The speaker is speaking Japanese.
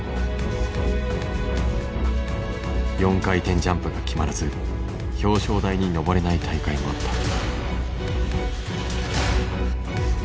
４回転ジャンプが決まらず表彰台にのぼれない大会もあった。